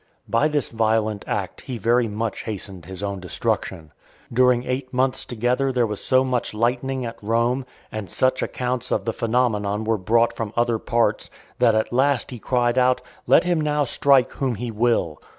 By this violent act he very much hastened his own destruction. During eight months together there was so much lightning at Rome, and such accounts of the phaenomenon were brought from other parts, that at last he cried out, "Let him now strike whom he will."